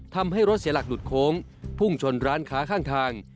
ทำให้รถเสียหลักหลุดโค้งพุ่งชนร้านค้าข้างทาง